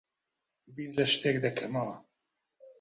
بیر لە شتێک دەکەمەوە.